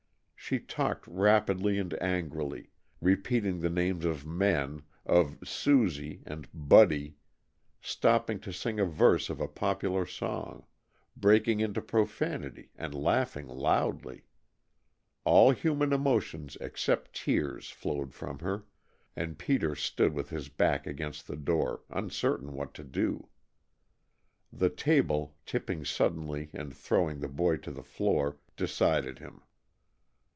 She talked rapidly and angrily, repeating the names of men, of "Susie" and "Buddy," stopping to sing a verse of a popular song, breaking into profanity and laughing loudly. All human emotions except tears flowed from her, and Peter stood with his back against the door, uncertain what to do. The table, tipping suddenly and throwing the boy to the floor, decided him.